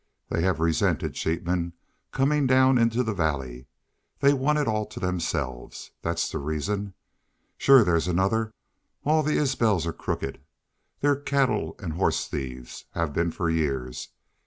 They have resented sheepmen comin' down into the valley. They want it all to themselves. That's the reason. Shore there's another. All the Isbels are crooked. They're cattle an' horse thieves have been for years.